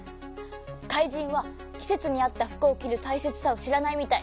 かいじんはきせつにあったふくをきるたいせつさをしらないみたい。